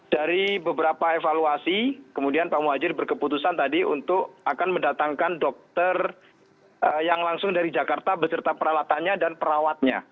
dari beberapa evaluasi kemudian pak muhajir berkeputusan tadi untuk akan mendatangkan dokter yang langsung dari jakarta beserta peralatannya dan perawatnya